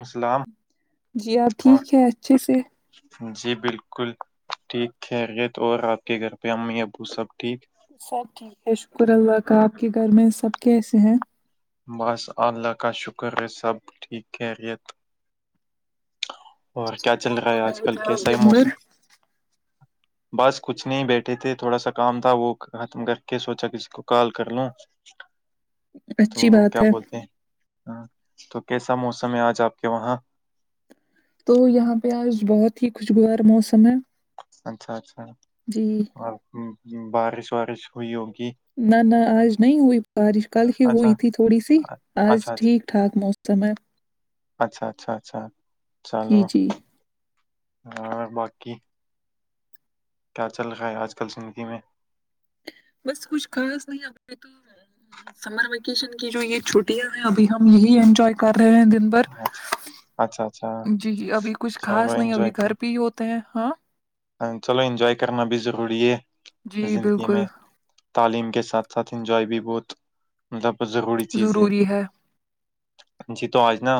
اسلام جی آپ اور ٹھیک ہے اچھے سے جی بالکل ٹھیک ہےریت اور آپ کے گھر پہ امی ابو سب ٹھیک سب ٹھیک ہے شکر اللہ کا آپ کے گھر میں سب کیسے ہیں بس اللہ کا شکر ہے سب ٹھیک ہے یہ اچھا کیا چل رہا ہے کرا آج کل کیسا ہے تھامبر موسم بس کچھ نہیں بیٹھے تھے تھوڑا سا کام تھا وہ ختم کر کے سوچا کسی کو کال کر لو [inaudible] تو اچھی بات کیا ہے بولتے ہیں ہ تو کیسا موسم ہے آج آپ کے وہاں تو یہاں پہ آج بہت ا خوشگوار موسم ہے اچھا اچھا جی اور بارش وارش ہوئی ہوگی نہ نہ آج نہیں ہوئی بارش کل ہی اچھا ہوئی تھی تھوڑی سی اچھا اچھا آج اچھا ٹھیک ٹھاک موسم ہے اچھا اچھا اچھا جی چلو جی ہاں باقی کیا چل رہا ہے آج کل زندگی میں بس کچھ خاص نہیں آ نے تو سمر ویکیشن کی جو یہ چھٹیاں ہیں ابھی ہم یہی انجوائے کر رہے ہیں دن بھر اچھا اچھا اچھا جی جی ابھی کچھ چلو خاص نہیں ابھی انجوائے گھر پہ ہی ہوتے ہیں ہاں چلو انجوائے کرنا بھی ضروری ہے جی زندگی بالکل میں تعلیم کے ساتھ ساتھ انجوائے بھی بہت مطلب ضروری چیز ہے جی تو آج نا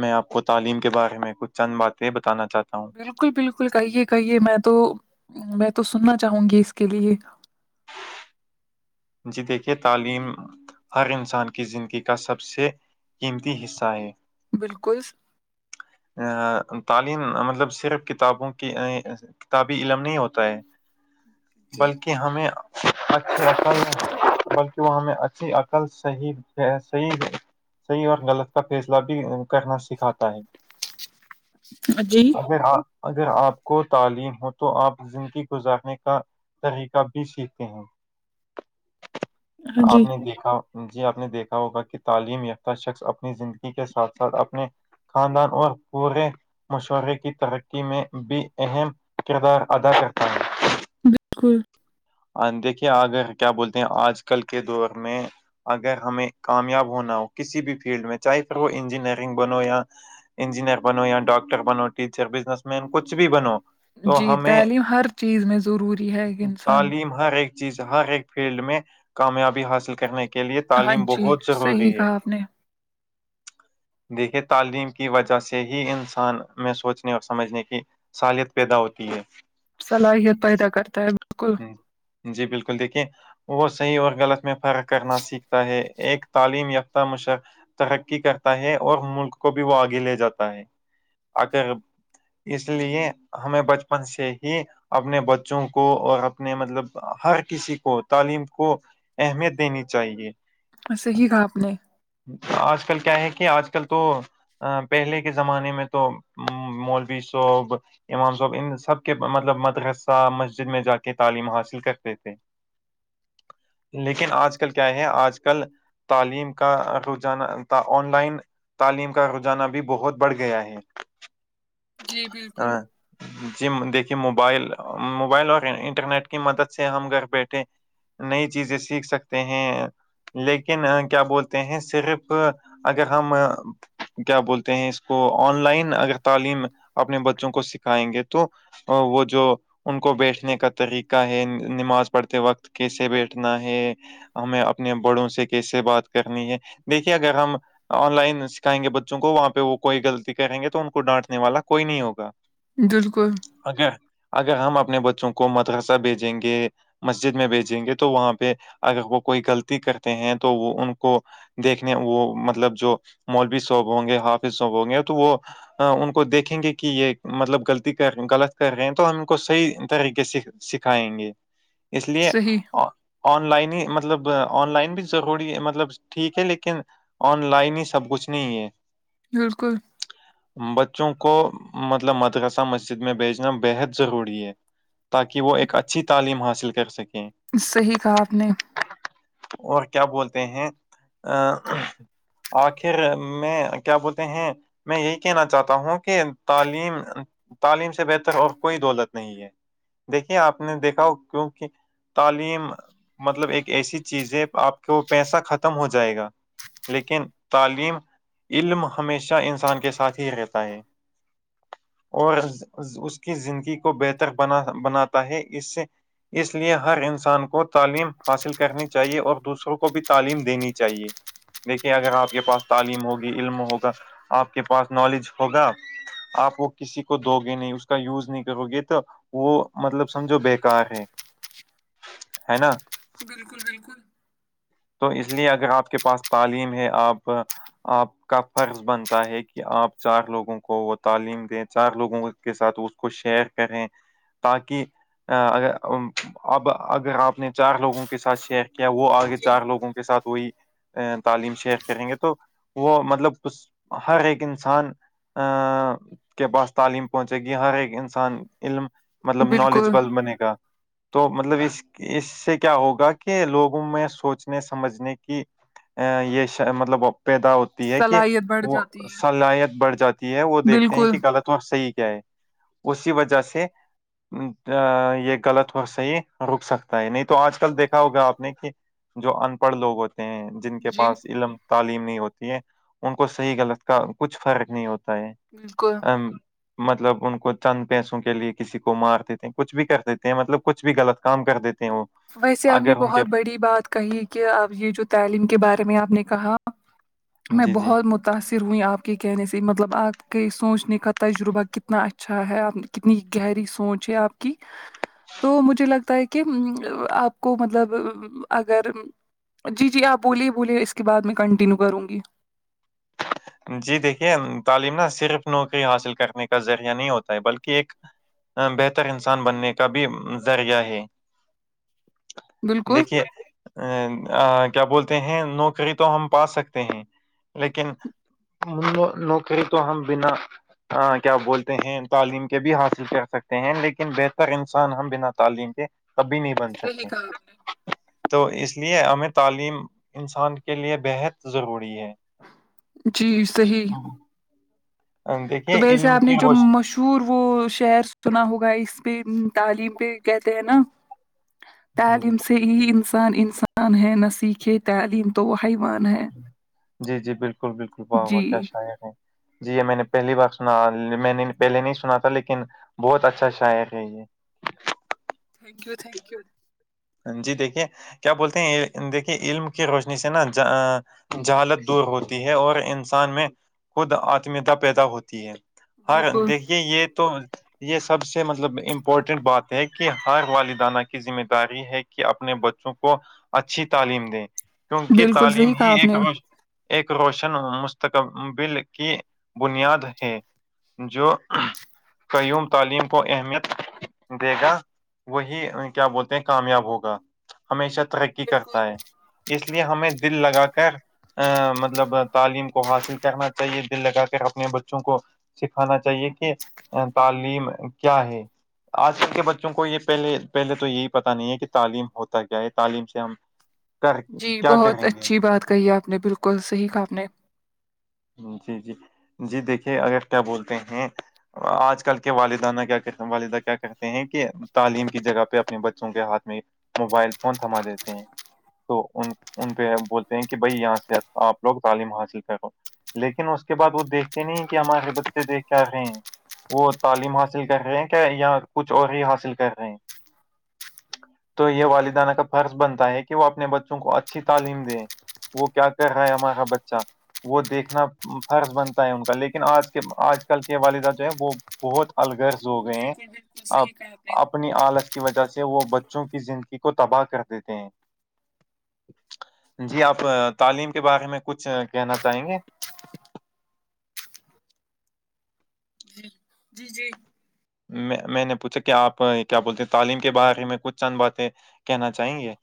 میں آپ کو تعلیم کے بارے میں کچھ چند باتیں بتانا چاہتا ہوں بالکل بالکل کہیے کہیے میں تو میں تو سننا چاہوں گی اس کے لیے جی دیکھیے تعلیم ہر انسان کی زندگی کا سب سے قیمتی حصہ ہے بالکل ا تعلیم مطلب صرف کتابوں کی کتابی علم نہیں ہوتا ہے جی بلکہ ہمیں اچھی عقل ہے بلکہ وہ ہمیں اچھی عقل صحیح ہے صحی صحیح اور غلط کا فیصلہ بھی کرنا سکھاتا ہے ہ جی اگر اگر آپ کو تعلیم ہو تو آپ زندگی گزارنے کا طریقہ بھی سیکھتے ہیں [unintelligible] آپ نے دیکھا جی آپ نے دیکھا ہوگا کہ تعلیم یافتہ شخص اپنی زندگی کے ساتھ ساتھ اپنے خاندان اور پورے مشورے کی ترقی میں بھی اہم کردار ادا کرتا ہے بالکل دیکھیے آگے کیا بولتے ہیں آج کل کے دور میں اگر ہمیں کامیاب ہونا ہو کسی بھی فیلڈ میں چاہے پھر وہ انجینئرنگ بنو یا انجینئر بنو یا ڈاکٹر بنو ٹیچر بزنس مین کچھ بھی بنو تو جی ہمیں تعلیم ہر چیز میں ضروری ہے گ تعلیم ہر ایک چیز ہر ایک فیلڈ میں کامیابی حاصل کرنے کی ہاں جی صحیح کہااب نے دیکھیے تعلیم کی وجہ سے ہی انسان میں سوچنے اور سمجھنے کی سالت پیدا ہوتی ہے صلاحیت پیدا کرتا ہے بالکل جی بالکل دیکھیے وہ صحیح اور غلط میں فرق کرنا سیکھتا ہے ایک تعلیم یافتہ مشق ترقی کرتا ہے اور ملک کو بھی وہ آگے لے جاتا ہے اگر اس لیے ہمیں بچپن سے ہی اپنے بچوں کو اور اپنے مطلب ہر کسی کو تعلیم کو اہمیت دینی چاہیے وسےح ہی کہا آپ نے آج کل کیا ہے کہ آج کل تو ا پہلے کے زمانے میں تو مولوی صوب امام صاب ان سب کے مطلب مد ر صا مسجد جد میں جا کے تعلیم حاصل کرتےے لیکن آج کل کیا ہے آج کل تعلیم کا رانہ آن لائن تعلیم کا رجانہ بھی بہت بڑھ گیا ہے جی بالکل ہاں جی دیکھیے موبائل موبائل اور انٹرنیٹ کی مدد سے ہم گھر بیٹھے نئی چیزیں سیکھ سکتے ہیں لیکن کیا بولتے ہیں صرف اگر ہم کیا بولتے ہیں اس کو آن لائن اگر تعلیم اپنے بچوں کو سکھائیں گے تو ا وہ جو ان کو بیٹھنے کا طریقہ ہے نماز پڑھتے وقت کیسے بیٹھنا ہے ہمیں اپنے بڑوں سے کیسے بات کرنی ہے دیکھیے اگر ہم آن لائن سکھائیں گے بچوں کو وہاں پہ وہ کوئی غلطی کریں گے تو ان کو ڈانٹنے والا کوئی نہیں ہوگ بالکل اے اگر ہم اپنے بچوں کو مدرسہ بھیجیں گے مسجد میں بھیجیں گے تو وہاں پہ اگر وہ کوئی غلطی کرتے ہیں تو وہ ان کو دیکھنے وہ مطلب جو مولوی صاحب ہوں گے حافظ صاب ہوں گے تو وہ ان کو دیکھیں گے کہ یہ مطلب غلطی کر غلط کر رہے ہیں تو ہم کو صحی طریقے سے سکھائیں گے اس لیے صحیح آن لائن ہی مطلب آن لائن بھی ضروری ہے مطلب ٹھیک ہے لیکن آن لائن ہی سب کچھ نہیں ہے بالکل بچوں کو مطلب مدکسہ مسجد میں بھیچنا بےحد ضروری ہے تاکہ وہ ایک اچھی تعلیم حاصل کر سکیں صحیح کہا آپ نے اور کیا بولتے ہیں ا آخر میں کیا بولتے ہیں میں یہی کہنا چاہتا ہوں کہ تعلیم تعلیم سے بہتر اور کوئی دولت نہیں ہے دیکھیے آپ نے دیکھا ہو کیونکہ تعلیم مطلب ایک ایسی چیز ہے آپ کو پیسہ ختم ہو جائے گا لیکن تعلیم علم ہمیشہ انسان کے ساتھ ہی رہتا ہے اور اس کی زندگی کو بہتر بناتا ہے اس سے اس لیے ہر انسان کو تعلیم حاصل کرنی چاہیے اور دوسروں کو بھی تعلیم دینی چاہیے دیکھیے اگر آپ کے پاس تعلیم ہوگی علم ہوگا آپ کے پاس نالج ہوگا آپ وہ کسی کو دو گے نہیں اس کا یوز نہیں کرو گے تو وہ مطلب سمجھو بیکار ہے ہے نا بالکل بالکل تو اس لیے اگر آپ کے پاس تعلیم ہے آپ آپ کا فرض بنتا ہے کہ آپ چار لوگوں کو وہ تعلیم دیں چار لوگوں کو کے ساتھ اس کو شیئر کریں تاکہ اگر اب اگر آپ نے چار لوگوں کے ساتھ شیئر کیا وہ آگے جی چار لوگوں کے ساتھ وہی تعلیم شیخ کریں گے تو وہ مطلب ک ہر ایک انسان ا کے پاس تعلیم پہنچے گی ہر ایک انسان علم مطلب بالکل نالجبل بنے گا تو مطلب اس اس سے کیا ہوگا کہ لوگوں میں سوچنے سمجھنے کی ا یہ مطلب بپےید ہے کہ صلاحیت بڑھ وہ جاتی ہے صلاحیت بڑھ جاتی ہے وہ دیکھتے ہیں بالکل کہ غلط و صحیح ہے اسی وجہ سے یہ غلط اور صحی رک سکتا ہے نہیں تو آج کل دیکھا ہوگا آپ نے کہ جو ان پڑھ لوگ ہوتے ہیں جن کے جی پاس علم تعلیم نہیں ہوتی ہے ان کو صحیح غلط کا کچھ فرق نہیں ہوتا ہے بالکل ام مطلب ان کو چند پیسوں کے لیے کسی کو مار دیتے ہیں کچھ بھی کر دیتے ہیں مطلب کچھ بھی غلط کام کر دیتے ہیں وہ ویسے آپ نے اگر ان کے بہت بڑی بات کہی کہ اب یہ جو تعلیم کے بارے میں آپ نے کہا میں جی جی بہت م متاثر ہوئیں آپ کے کہنے سے مطلب آپ کے سوچنے کا تجربہ کتنا اچھا ہے آپ کتنی گہری سوچ ہے آپ کی تو مجھے لگتا ہے کہ آپ کو مطلب اگر جی جی آپ بولیے بولیے اسس کے بعد میں کنٹینیو کروں گی جی دیکھیے تعلیم نہ صرف نوکری حاصل کرنے کا ذریعہ نہیں ہوتا ہے بلکہ ایک بہتر انسان بننے کا بھی ذریعہ ہے بالکل دیکھیے ا کیا بولتے ہیں نوکری تو ہم پا سکتے ہیں لیکن م نوکری تو ہم ہم بنا کیا بولتے ہیں تعلیم کے بھی حاصل کر سکتے ہیں لیکن بہتر انسان ہم بنا تعلیم کے کبھی نہیں بن صحیح سکے کہا آپ تو اس لیے ہمیں تعلیم انسان کے لیے بےحد ضروری ہے جی صحیح تو دیکھیے ب حس علم آب نے کی جو روشنی مشہور مور وہ شہر سنا ہوگا اس پہ تعلیم پہ کہتے ہیں نا تعلیم سے یہ انسان انسان ہے نہ سیکھے تعلیم تو وہ حیوان ہے جی جی بالکل بالکل واہ جی واہ کیا شاعر ہے جی یہ میں نے پہلی بار سنا میں نے پہلے نہیں سنا تھا لیکن بہت اچھا اچھا ہے کہ یہ تھینک یو تھینک یو جی دیکھیے کیا بولتے ہیں دیکھیے علم کی روشنی سے نا ج جہالت دور ہوتی ہے اور انسان میں خود آتمیتا پیدا ہوتی ہے ہاں بالکل دیک یہ تو یہ سب سے مطلب امپورٹنٹ بات ہے کہ ہر والدانہ کی ذمہ داری داری ہے کہ اپنے بچوں کو اچھی تعلیم دے کیونکہ بالکل تعلیم صحیح ہی کہا آپ ایک نے روز ایک روشن مستقبل کی بنیاد ہے جو قیوم تعلیم کو اہمیت دے گا وہی کیا بولتے ہیں کامیاب ہوگا ہمیشہ ترقی بالکل کرتا ہے اس لیے ہمیں دل لگا کر ا مطلب تعلیم کو حاصل کرنا چاہیے دل لگا کر اپنے بچوں کو سکھانا چاہیے کہ تعلیم کیا ہے آج کل کے بچوں کو یہ پہلے پہلے تو یہی پت نہیں ہے کہ تعلیم ہوتا کیا ہے تعلیم سے ہم کر جی کیا بہت کریں گے اچھی بات کہی آپ نے بالکل صحیح کہاپ نے جی جی جی دیکھیے اگر کیا بولتے ہیں آج کل کے والدینہ کیا کہتے والدہ کیا کہتے ہیں کہ تعلیم کی جگہ پہ اپنے بچوں کے ہاتھ میں موبائل فون تھما دیتے ہیں تو ان ان پہ بولتے ہیں کہ بھائی یہاں سے آپ لوگ تعلیم حاصل کرو لیکن اس کے بعد وہ دیکھتے نہیں کہ ہمارے بچے دیکھ آ رہے ہیں وہ تعلیم حاصل کر رہے ہیں کیا یا کچھ اور ہی حاصل کر رہے ہیں تو یہ والدینہ کا فرض بنتا ہے کہ وہ اپنے بچوں کو اچھی تعلیم دیں وہ کیا کہ رہا ہے ہمارا بچہ وہ دیکھ انا فرض بنتا ہے ان کا لیکن آج کے آج کل کے والدہ جو ہے وہ بہت الغرض ہو گئے ہیں بالکل بالکل اب صحیح کہا آپ نے اپنی آلس کی وجہ سے وہ بچوں کی زندگی کو تباہ کر دیتے ہیں [inaudible] جی آپ تعلیم کے بارے میں کچھ کہنا چاہیں گے جی جی جی میں میں نے پوچھا کیا آپ کیا بولتے ہیں تعلیم کے بارے میں کچھ چند باتیں کہنا چاہیں گے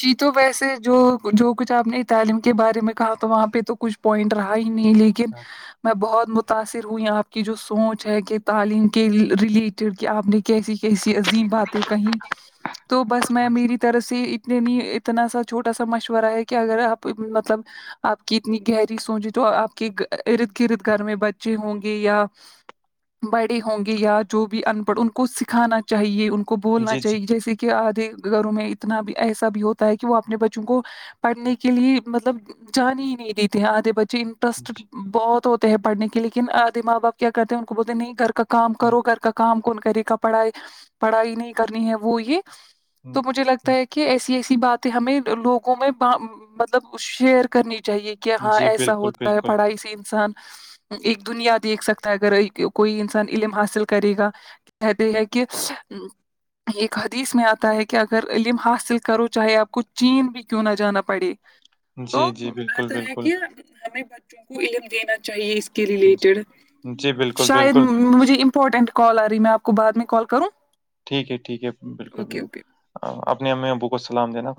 جی تو ویسے جو جو کچھ آپ نے تعلیم کے بارے میں کہا تو وہاں پہ تو کچھ پوائنٹ رہا ہی نہیں لیکن لیکن ہاں، میں بہت متاثر ہوئی آپ کی جو سوچ ہے کہ تعلیم کے ریلیٹیڈ کہ آپ نے کیسی کیسی عظیم بات ہے کہیں تو بس میں میری طرح سے اتنے اتنا سا چھوٹا سا مشورہ ہے کہ اگر آپ مطلب آپ کی اتنی گہری سوچیں تو آپ کے ارد گرد گھر میں بچے ہوں گے یا بڑے ہوں گے یا جو بھی ان پڑھ ان کو سکھانا چاہیے ان کو بولنا جی جی چاہیے جیسے کہ آدھے گھروں میں اتنا بھی ایسا بھی ہوتا ہے کہ وہ اپنے بچوں کو پڑھنے کے لیے مطلب جان ہی نہیں دیتے ہیں آدھے بچے جی بہت ہوتے ہیں پڑھنے کے لیکن آد ماں بپ کیا کرتے ہیں ان کو بولتے نہیں گھر کا کام ہاں، ہاں، کرو گھر کا کام کون کرے کا پڑھائی پڑھائی نہیں کرنی ہے وہ یہ تو مجھے لگتا ہے کہ ایسی ایسی باتیں ہمیں لوگوں میں مطلب شیئر کرنی چاہیے کہ ہاں جی ایسا بالکل ہوتا ہے بالکل پڑھائی سے انسان ایک دنیا دیکھ سکتا ہے اگر کوئی انسان علم حاصل کرے گا کہتے ہیں کہ یہ حدیث میں آتا ہے کہ اگر علم حاص حاصل کرو چاہے آپ کو چین بھی کیوں نہ جانا پڑے تو جی جی بالکل بہتر ہے بالکل کہ ہمیں بچوں کو علم دینا چاہیے اس کے ریلیٹڈ جی بالکل شاید بالکل مجھے امپورٹنٹ کال آ رہی ہے میں آپ کو بعد میں کال کروں ٹھیک ہے ٹھیک ہے بالکل اوکے بالکل اوکے اپنے ہمیں ابوک السلام دینا خود